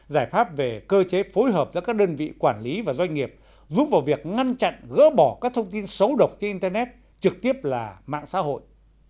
giải pháp về cơ chế phối hợp giữa các đơn vị quản lý và doanh nghiệp giúp vào việc ngăn chặn gỡ bỏ các thông tin xấu độc trên internet trực tiếp là mạng xã hội